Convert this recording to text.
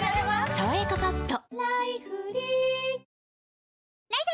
「さわやかパッド」